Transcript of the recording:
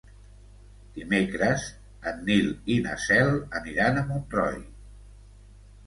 Dimecres en Nil i na Cel aniran a Montroi.